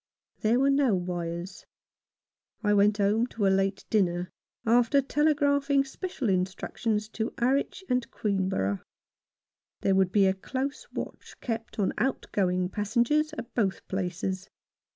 There were no wires. I went home to a late dinner, after telegraphing special instructions to 128 jfohn Faunces Experiences. No. 29. Harwich and Queenborough. There would be a close watch kept on out going passengers at both places.